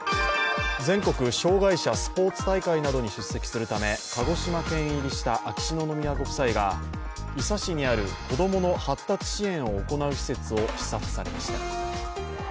全国障害者スポーツ大会などに出席するため、鹿児島県入りした秋篠宮ご夫妻が伊佐市にある子供の発達支援を行う施設を視察されました。